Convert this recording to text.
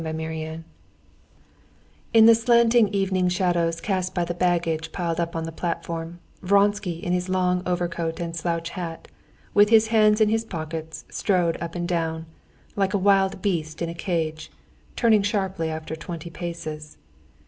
Chapter 5 In the slanting evening shadows cast by the baggage piled up on the platform, Vronsky in his long overcoat and slouch hat, with his hands in his pockets, strode up and down, like a wild beast in a cage, turning sharply after twenty paces.